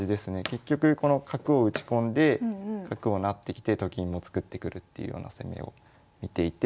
結局この角を打ち込んで角を成ってきてと金も作ってくるっていうような攻めを見ていて。